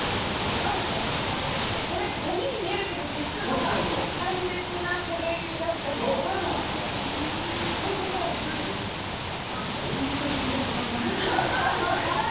良かれと思って片付けててそれ、ごみに見えるけど実は大切な書類だったりとかさすがに書類を捨てる友達はいないので。